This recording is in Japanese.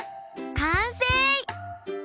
かんせい！